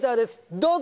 どうぞ！